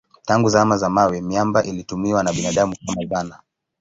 Tangu zama za mawe miamba ilitumiwa na binadamu kama zana.